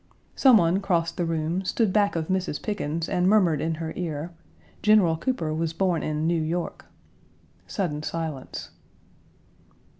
Some one crossed the room, stood back of Mrs. Pickens, and murmured in her ear, "General Cooper was born in New York." Sudden silence.